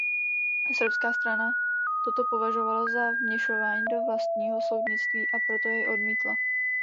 Srbská strana toto považovala za vměšování do vlastního soudnictví a proto jej odmítla.